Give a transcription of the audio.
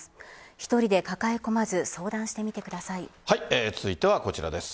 １人で抱え込まず続いては、こちらです。